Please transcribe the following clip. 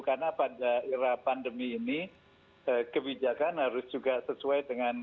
karena pada era pandemi ini kebijakan harus juga sesuai dengan